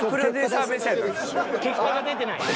結果が出てない？